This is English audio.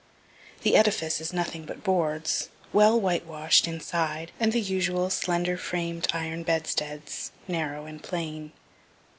The edifice is nothing but boards, well whitewash'd inside, and the usual slender framed iron bedsteads, narrow and plain.